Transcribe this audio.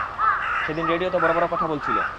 সেদিন রেডিওতে বড় বড় লথা বলছিলো।